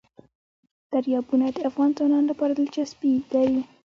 دریابونه د افغان ځوانانو لپاره دلچسپي لري.